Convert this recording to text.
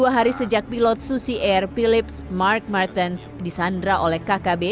dua hari sejak pilot susi air philips mark martens disandra oleh kkb